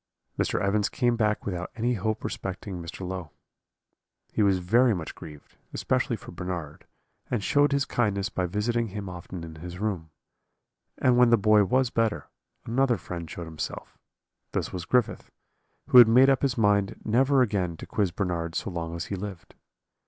"Mr. Evans came back without any hope respecting Mr. Low. He was very much grieved, especially for Bernard, and showed his kindness by visiting him often in his room; and when the boy was better, another friend showed himself; this was Griffith, who had made up his mind never again to quiz Bernard so long as he lived.